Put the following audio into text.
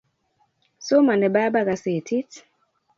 Somani baba kasetit